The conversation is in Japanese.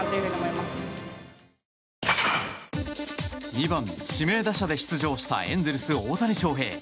２番指名打者で出場したエンゼルス、大谷翔平。